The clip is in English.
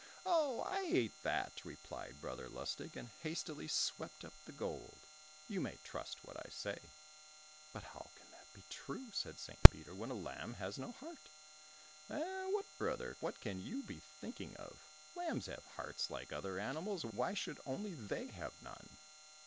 "Oh, I ate that!" replied Brother Lustig, and hastily swept up the gold. "You may trust what I say." "But how can that be true," said St. Peter, "when a lamb has no heart?" "Eh, what, brother, what can you be thinking of? Lambs have hearts like other animals, why should only they have none?"